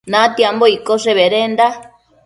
Natiambo iccoshe bedenda